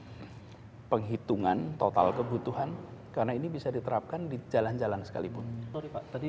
hai penghitungan total kebutuhan karena ini bisa diterapkan di jalan jalan sekalipun tadi